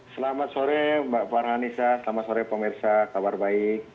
selamat sore mbak farhanisa selamat sore pemirsa kabar baik